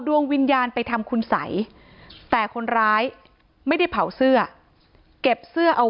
ดวงวิญญาณไปทำคุณสัยแต่คนร้ายไม่ได้เผาเสื้อเก็บเสื้อเอา